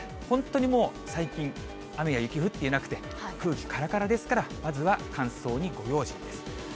本当にもう最近、雨や雪、降っていなくて、空気からからですから、まずは乾燥にご用心です。